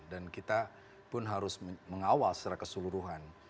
dan kita pun harus mengawal secara keseluruhan